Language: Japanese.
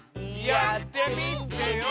やってみてよ！